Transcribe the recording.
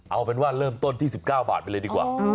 เอาเป็นว่าเริ่มต้นที่๑๙บาทไปเลยดีกว่า